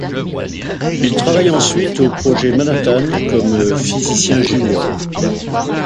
Il travaille ensuite au projet Manhattan comme physicien junior.